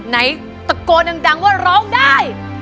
ไหนตะโกนดังว่าร้องได้